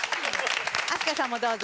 飛鳥さんもどうぞ。